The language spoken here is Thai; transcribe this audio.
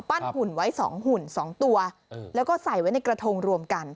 หุ่นไว้๒หุ่น๒ตัวแล้วก็ใส่ไว้ในกระทงรวมกัน